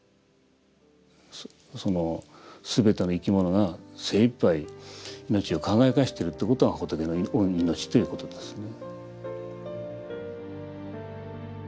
その全ての生き物が精いっぱい命を輝かしてるということが仏の御命ということですね。